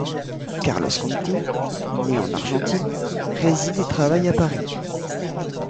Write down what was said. Carlos Conti, né en Argentine, réside et travaille à Paris.